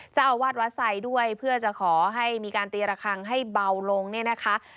เจ้าอาวาสวัดไซด์ด้วยเพื่อจะขอให้มีการตีระคังให้เบาลงเนี่ยนะคะ